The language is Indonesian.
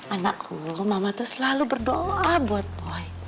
anakku mama tuh selalu berdoa buat boy